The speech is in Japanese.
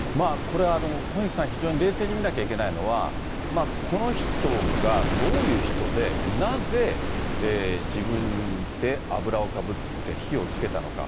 これは小西さん、非常に冷静に見なきゃいけないのは、この人がどういう人で、なぜ自分で油をかぶって火をつけたのか。